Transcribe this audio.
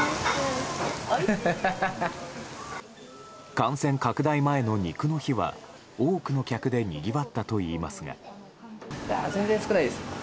感染拡大前の肉の日は多くの客でにぎわったといいますが。